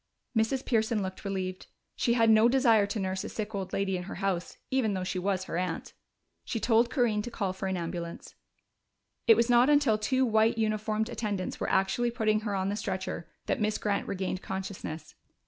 Mrs. Pearson looked relieved: she had no desire to nurse a sick old lady in her house, even though she was her aunt. She told Corinne to call for an ambulance. It was not until two white uniformed attendants were actually putting her on the stretcher that Miss Grant regained consciousness.